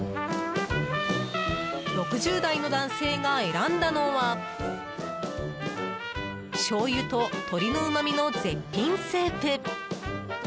６０代の男性が選んだのはしょうゆと鶏のうまみの絶品スープ。